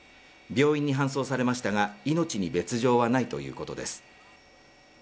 病院に搬送されましたが、命に別条はないということです。